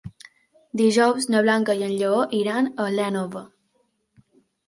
Dijous na Blanca i en Lleó iran a l'Énova.